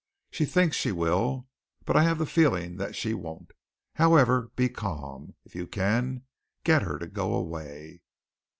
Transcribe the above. She thinks she will, but I have the feeling that she won't. However, be calm. If you can, get her to go away."